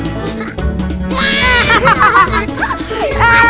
ini juga mulut